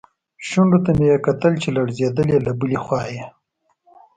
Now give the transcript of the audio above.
شونډو ته مې یې کتل چې لړزېدلې، له بلې خوا یې.